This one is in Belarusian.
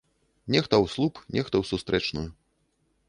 Нехта ў слуп, нехта у сустрэчную.